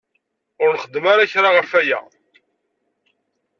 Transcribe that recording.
Ur nxeddem ara kra ɣe waya?